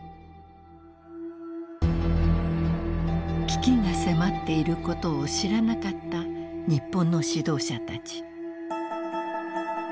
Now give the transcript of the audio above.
危機が迫っていることを知らなかった日本の指導者たち。